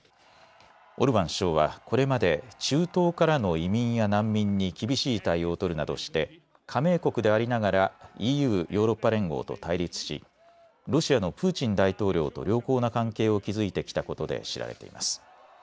オルバン首相はこれまで中東からの移民や難民に厳しい対応を取るなどして加盟国でありながらＥＵ・ヨーロッパ連合と対立しロシアのプーチン大統領と良好な関係を築いてきたことで知られています。